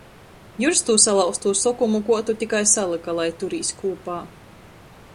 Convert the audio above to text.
Jurs tū salauztū sokumu kuotu tikai salyka, lai turīs kūpā.